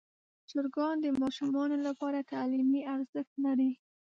چرګان د ماشومانو لپاره تعلیمي ارزښت لري.